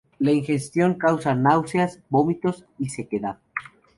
La ingestión causa náuseas, vómitos y sequedad.